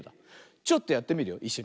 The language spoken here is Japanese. ちょっとやってみるよいっしょに。